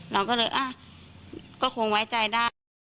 เราก็เลยอ่ะก็คงไว้ใจได้